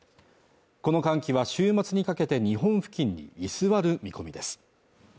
この寒気は週末にかけて日本付近に居座る見込みです